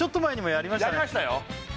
やりましたよ